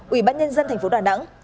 ủy ban nhân dân tp đà nẵng